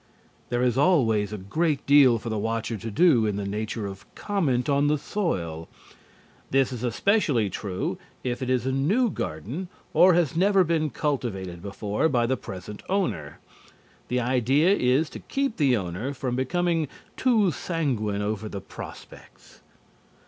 There is always a great deal for the watcher to do in the nature of comment on the soil. This is especially true if it is a new garden or has never been cultivated before by the present owner. The idea is to keep the owner from becoming too sanguine over the prospects.